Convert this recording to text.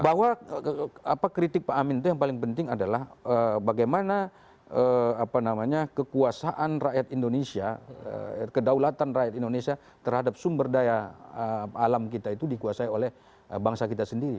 bahwa kritik pak amin itu yang paling penting adalah bagaimana kekuasaan rakyat indonesia kedaulatan rakyat indonesia terhadap sumber daya alam kita itu dikuasai oleh bangsa kita sendiri